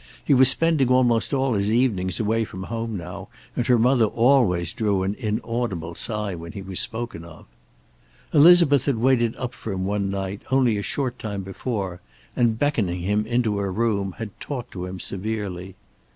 He was spending almost all his evenings away from home now, and her mother always drew an inaudible sigh when he was spoken of. Elizabeth had waited up for him one night, only a short time before, and beckoning him into her room, had talked to him severely.